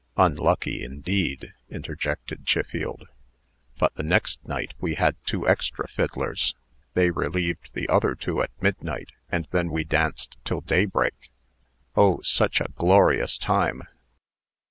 "Unlucky, indeed!" interjected Chiffield. "But the next night we had two extra fiddlers. They relieved the other two at midnight, and then we danced till daybreak. Oh! such a glorious time.